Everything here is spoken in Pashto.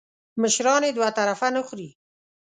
مشران یې دوه طرفه نه خوري .